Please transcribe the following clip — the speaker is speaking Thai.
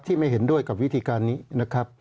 ไม่เห็นด้วยกับวิธีการนี้นะครับ